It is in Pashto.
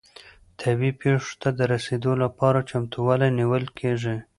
طبیعي پیښو ته د رسیدو لپاره چمتووالی نیول کیږي.